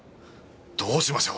どうしましょう？